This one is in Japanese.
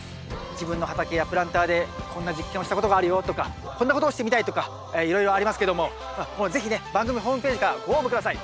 自分の畑やプランターでこんな実験をしたことがあるよとかこんなことをしてみたいとかいろいろありますけどももう是非ね番組ホームページからご応募下さい。